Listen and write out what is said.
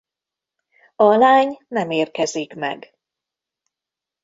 A lány nem érkezik meg.